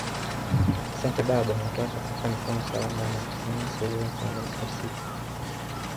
Asante baba umetuacha katika mikono salama ya Mama Samia Suluhu Hassan Rais wa sita